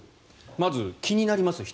まず、気になりますか？